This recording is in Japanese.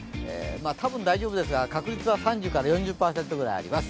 多分大丈夫ですが確率は３０４０％ぐらいあります。